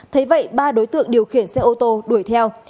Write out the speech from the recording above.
thấy vậy ba đối tượng điều khiển xe ô tô đuổi theo